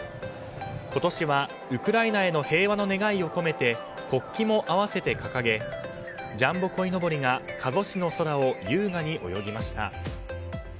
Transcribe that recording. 今年はウクライナへの平和の願いを込めて国旗も併せて掲げジャンボこいのぼりが加須市の空を優雅に泳ぎました。